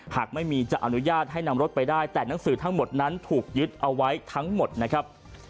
หากไม่มีจะอนุญาตให้นำรถไปได้แต่หนังสือทั้งหมดนั้นถูกยึดเอาไว้ทั้งหมดนะครับ